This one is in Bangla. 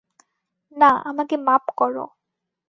না, আমাকে মাপ করো।